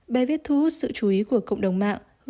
bài viết thu hút sự chú ý của cộng đồng mạng